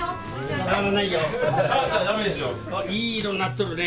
・いい色になっとるね。